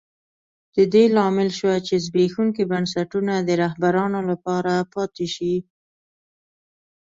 د دې لامل شوه چې زبېښونکي بنسټونه د رهبرانو لپاره پاتې شي.